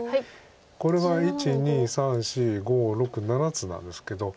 これは１２３４５６７つなんですけど。